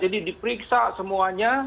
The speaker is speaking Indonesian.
jadi diperiksa semuanya